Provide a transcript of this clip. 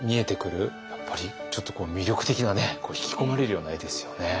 やっぱりちょっとこう魅力的な引き込まれるような絵ですよね。